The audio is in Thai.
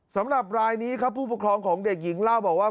สำหรับรายนี้ครับผู้ปกครองของเด็กหญิงเล่าบอกว่า